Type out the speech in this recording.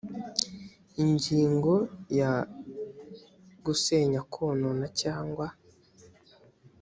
ingingo ya gusenya konona cyangwa